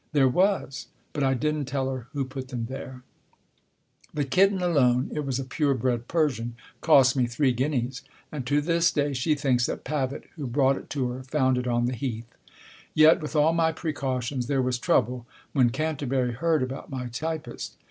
There was. But I didn't tell her who put them there. The kitten alone (it was a pure bred Persian) cost me three guineas ; and to this day she thinks that Pavitt, who brought it to her, found it on the Heath. Yet, with all my precautions, there was trouble when Canterbury heard about my typist.